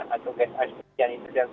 atau gas asfixian itu juga yang besar